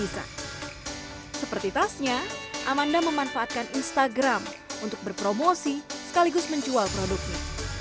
seperti tasnya amanda memanfaatkan instagram untuk berpromosi sekaligus menjual produknya